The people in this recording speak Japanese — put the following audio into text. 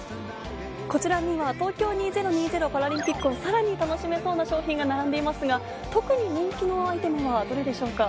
こちらには東京２０２０パラリンピックをさらに楽しめそうな商品が並んでいますが特に人気のアイテムはどれでしょうか？